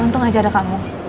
untung aja ada kamu